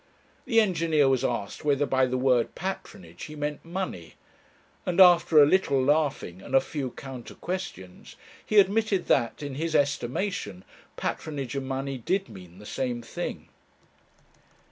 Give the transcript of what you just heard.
The engineer was asked whether by the word patronage he meant money, and after a little laughing and a few counter questions, he admitted that, in his estimation, patronage and money did mean the same thing.